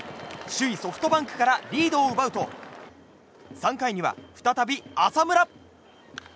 首位ソフトバンクからリードを奪うと３回には再び浅村。